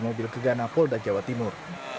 mobil gegana polda jawa timur